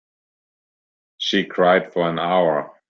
She cried for an hour.